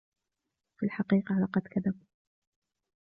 في الحقيقة، لقد كذب.